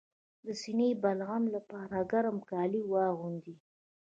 د سینه بغل لپاره ګرم کالي واغوندئ